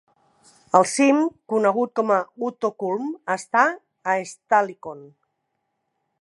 El cim, conegut com a Uto Kulm, està en Stallikon.